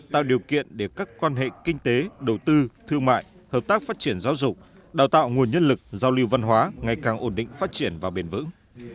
tạo điều kiện để các quan hệ kinh tế đầu tư thương mại hợp tác phát triển giáo dục đào tạo nguồn nhân lực giao lưu văn hóa ngày càng ổn định phát triển và bền vững